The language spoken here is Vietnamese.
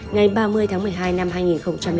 ngày ba mươi tháng một mươi hai năm hai nghìn tám